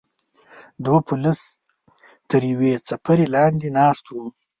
دوه پولیس تر یوې څپرې لاندې ناست وو.